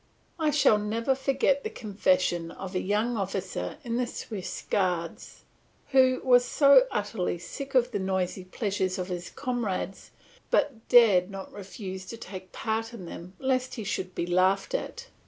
I shall never forget the confession of a young officer in the Swiss Guards, who was utterly sick of the noisy pleasures of his comrades, but dared not refuse to take part in them lest he should be laughed at.